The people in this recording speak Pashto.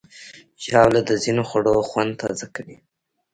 ژاوله د ځینو خوړو خوند تازه کوي.